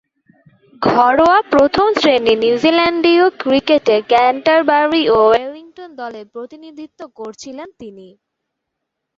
ঘরোয়া প্রথম-শ্রেণীর নিউজিল্যান্ডীয় ক্রিকেটে ক্যান্টারবারি ও ওয়েলিংটন দলের প্রতিনিধিত্ব করেছেন তিনি।